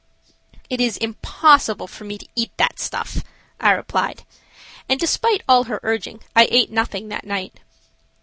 "It is impossible for me to eat that stuff," I replied, and, despite all her urging, I ate nothing that night.